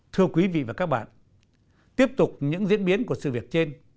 thưa quý vị và các bạn tiếp tục những diễn biến của sự việc trên